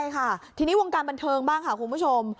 ใช่ค่ะทีนี้วงการบันเทิงบ้างค่ะคุณผู้ชม